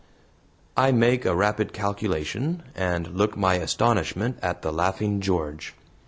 I make a rapid calculation, and look my astonishment at the laughing George.